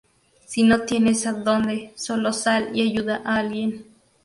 Si no tienes donde, solo sal y ayuda a alguien.